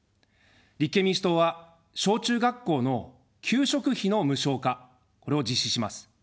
立憲民主党は、小・中学校の給食費の無償化、これを実施します。